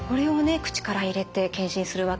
口から入れて検診するわけですよね。